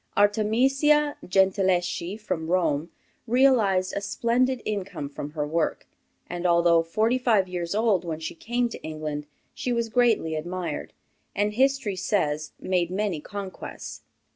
Artemisia Gentileschi, from Rome, realized a splendid income from her work; and, although forty five years old when she came to England, she was greatly admired, and history says made many conquests.